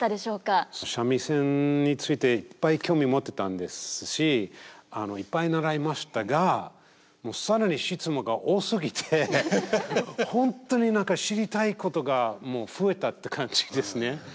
三味線についていっぱい興味持ってたんですしいっぱい習いましたが更に質問が多すぎて本当に何か知りたいことがもう増えたって感じですね。